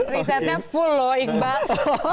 risetnya full loh iqbal